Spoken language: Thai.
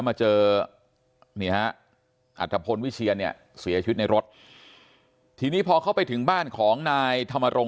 อัตภพรวิเชียเสียชุดในรถทีนี้พอเข้าไปถึงบ้านของนายธรรมรงค์